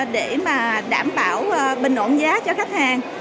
để mà đảm bảo bình ổn giá cho khách hàng